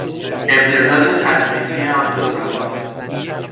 امتزاج تدریجی آن دو زبان